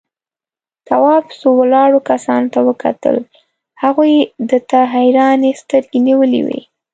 تواب څو ولاړو کسانو ته وکتل، هغوی ده ته حيرانې سترگې نيولې وې.